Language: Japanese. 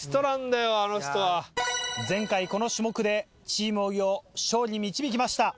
前回この種目でチーム小木を勝利に導きました